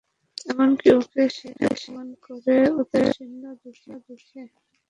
এমন-কি, ওকে সে অপমান করে ঔদাসীন্য দেখিয়ে।